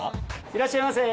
・いらっしゃいませ。